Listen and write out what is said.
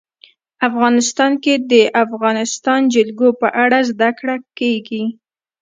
افغانستان کې د د افغانستان جلکو په اړه زده کړه کېږي.